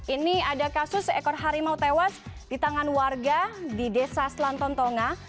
ini ada kasus seekor harimau tewas di tangan warga di desa selantontonga